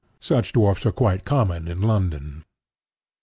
Such dwarfs are quite common in London.